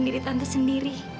diri tante sendiri